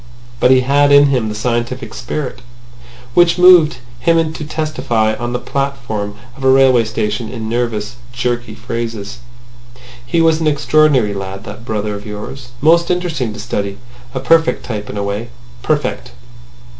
But he had in him the scientific spirit, which moved him to testify on the platform of a railway station in nervous jerky phrases. "He was an extraordinary lad, that brother of yours. Most interesting to study. A perfect type in a way. Perfect!"